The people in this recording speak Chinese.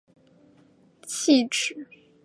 细齿密叶槭为槭树科槭属下的一个变种。